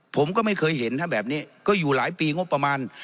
ผมก็ไม่เคยเห็นถ้าแบบนี้ก็อยู่หลายปีงบประมาณ